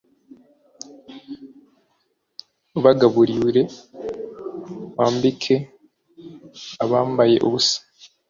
Ubagaburire wambike abambaye ubusa